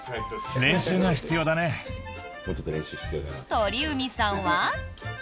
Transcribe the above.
鳥海さんは？